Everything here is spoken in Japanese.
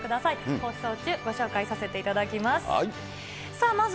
放送中、ご紹介させていただきます。